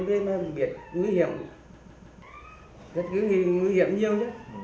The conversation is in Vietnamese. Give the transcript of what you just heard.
nhiều người không ngại nguy hiểm